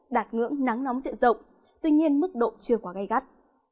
đạt ngưỡng nắng nóng sẽ rộng tuy nhiên mức độ chưa quá gây gắt